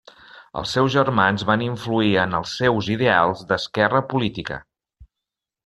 Els seus germans van influir en els seus ideals d'esquerra política.